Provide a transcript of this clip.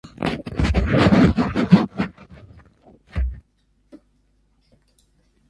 The body was exhumed after the Restoration.